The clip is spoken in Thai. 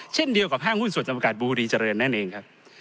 เช่นเดียวกับห้างหุ้นส่วนจำกัดบุรีเจริญนั่นเองครับ